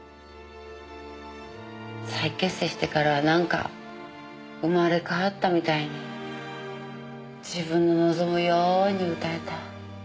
再結成してからはなんか生まれ変わったみたいに自分の望むように歌えた。